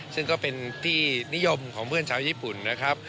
ซึ่งก็เป็นที่นิยมของเพื่อนชาวญี่ปุ่นนะครับ